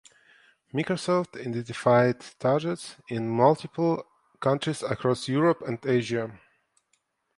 Microsoft identified targets in multiple countries across Europe and Asia.